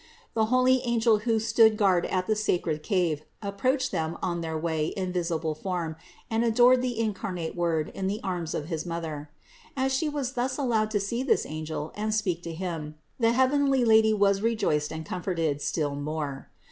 The holy angel who stood as guard of the sacred cave approached Them on their way in visible form and adored the incarnate Word in the arms of his Mother. As She was thus allowed to see this angel and speak to him, the heavenly Lady was rejoiced and comforted still more.